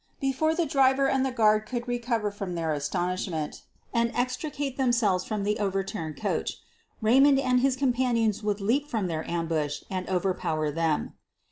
Before the driver and the guard could recover from their astonishment and extricate themselves from the overturned coach, Raymond and his companions would leap from their ambush and overpower them.